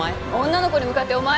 女の子に向かって「お前」？